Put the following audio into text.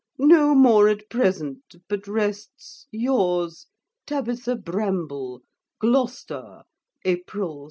No more at present, but rests, Yours, TABITHA BRAMBLE GLOSTAR, April 2.